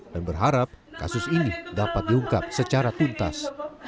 dan berharap kasus ini dapat diungkap secara tuntas